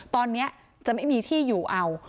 ตอนนี้จะไม่มีที่อยู่เอา